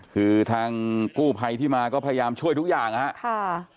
คือทางกู้ภัยที่มาก็พยายามช่วยทุกอย่างนะครับ